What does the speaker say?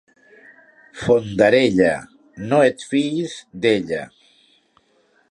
Fondarella, no et fiïs d'ella.